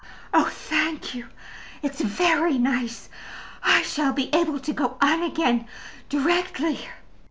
"Oh! thank you; it's very nice. I shall be able to go on again directly."